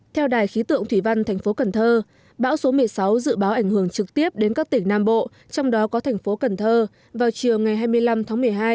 theo đài khí tượng thủy văn thành phố cần thơ bão số một mươi sáu dự báo ảnh hưởng trực tiếp đến các tỉnh nam bộ trong đó có thành phố cần thơ vào chiều ngày hai mươi năm tháng một mươi hai